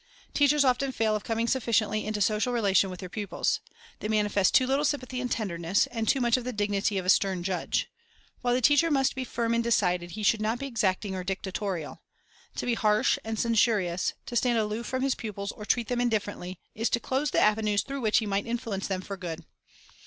Teachers often fail of coming sufficiently into social relation with their pupils. They manifest too little sympathy and tenderness, and too much of the dignity of the stern judge. While the teacher must be firm and decided, he should not be exacting or dictatorial. To be harsh and censorious, to stand aloof from his pupils or treat them indifferently, is to close the avenues through which he might influence them for good.